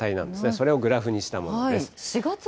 それをグラフにしたものです。